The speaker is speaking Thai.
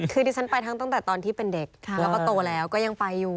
คือดิฉันไปทั้งตั้งแต่ตอนที่เป็นเด็กแล้วก็โตแล้วก็ยังไปอยู่